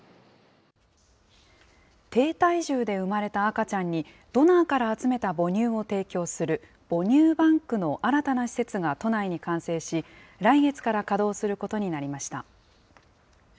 低体重で産まれた赤ちゃんに、ドナーから集めた母乳を提供する母乳バンクの新たな施設が都内に完成し、来月から稼働することになりました。